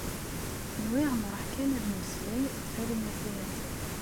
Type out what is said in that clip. Nwiɣ nruḥ kan ad nemmeslay d Farid n At Yiraten.